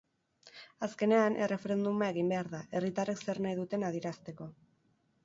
Azkenean, erreferenduma egin behar da, herritarrek zer nahi duten adierazteko.